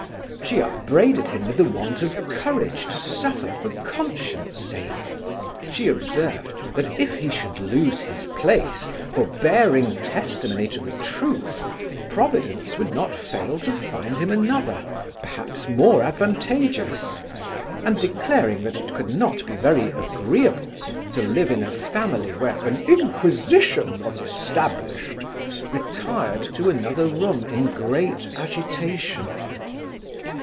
She upbraided him with the want of courage to suffer for conscience sake She observed, that if he should lose his place for bearing testimony to the truth, Providence would not fail to find him another, perhaps more advantageous; and, declaring that it could not be very agreeable to live in a family where an inquisition was established, retired to another room in great agitation.